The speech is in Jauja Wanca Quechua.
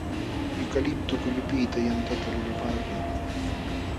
Yukaliptu kullupiqta yantata lulapaakun.